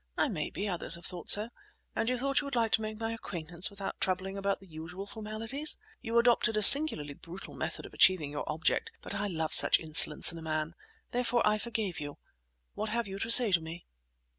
I may be; others have thought so. And you thought you would like to make my acquaintance without troubling about the usual formalities? You adopted a singularly brutal method of achieving your object, but I love such insolence in a man. Therefore I forgave you. What have you to say to me?"